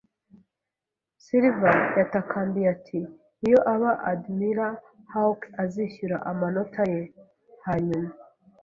Silver yatakambiye ati: "Iyo aba Admiral Hawke azishyura amanota ye." hanyuma,